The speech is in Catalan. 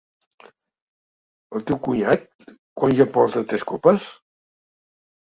El teu cunyat quan ja porta tres copes?